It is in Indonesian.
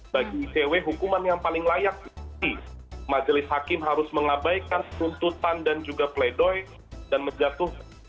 bagi icw hukuman yang paling layak majelis hakim harus mengabaikan tuntutan dan juga pledoi dan menjatuhkan